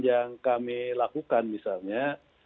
yang kami lakukan misalnya